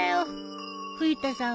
冬田さん